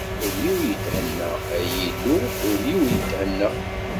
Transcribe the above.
Ul-iw ithenna, ay Illu! Ul-iw ithenna.